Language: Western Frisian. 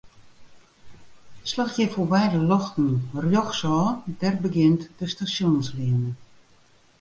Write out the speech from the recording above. Slach hjir foarby de ljochten rjochtsôf, dêr begjint de Stasjonsleane.